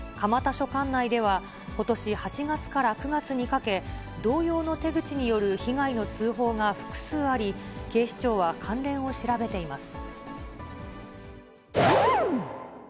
署管内では、ことし８月から９月にかけ、同様の手口による被害の通報が複数あり、警視庁は関連を調べています。